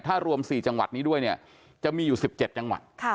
ถ้ารวม๔จังหวัดนี้ด้วยเนี่ยจะมีอยู่๑๗จังหวัด